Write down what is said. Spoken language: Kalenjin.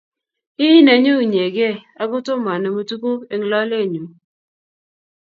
Ii nenyu inyegei akot tomanemu tukug eng lalenyu